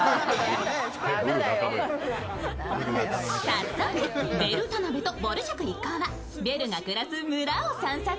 早速、ベル田辺とぼる塾一行はベルが暮らす村を散策。